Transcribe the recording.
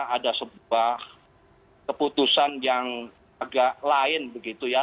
ada sebuah keputusan yang agak lain begitu ya